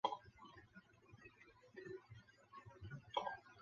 杨行密同意了。